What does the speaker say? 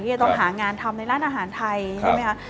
จะต้องหางานทำในร้านอาหารไทยใช่ไหมคะ